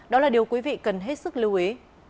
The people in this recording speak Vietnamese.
đó là điều quý vị cần hết sức lưu ý